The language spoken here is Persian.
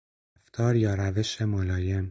رفتار یا روش ملایم